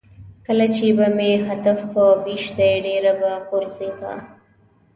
کله چې به مې هدف په ویشتی ډېره به غورځېده.